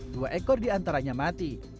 dua ekor di antaranya mati